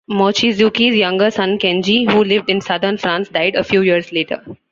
Mochizuki's younger son Kenji, who lived in southern France, died a few years later.